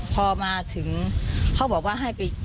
พอมาถึงเขาบอกว่า